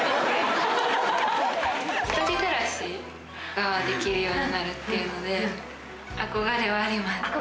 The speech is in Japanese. ひとり暮らしができるようになるっていうので憧れはあります。